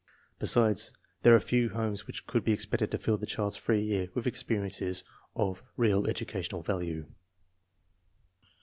Besides, there are few homes which could be expected to fill the child's free year with experiences of real educational value.